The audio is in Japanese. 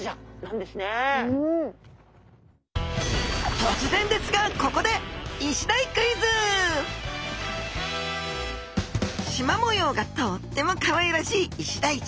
とつぜんですがここでしま模様がとってもかわいらしいイシダイちゃん。